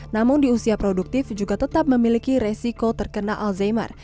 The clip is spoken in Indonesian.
namun di usia produktif juga tetap memiliki resiko terkena alzheimer